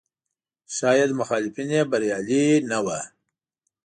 شاید مخالفین یې بریالي نه وو.